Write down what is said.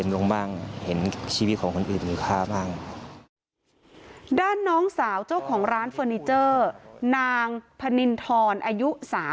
ด้านน้องสาวเจ้าของร้านเฟอร์นิเจอร์นางพนินทรอายุ๓๐